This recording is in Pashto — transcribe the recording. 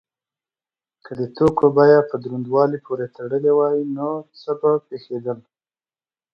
که د توکو بیه په دروندوالي پورې تړلی وای نو څه به پیښیدل؟